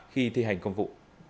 khi thi hành công vụ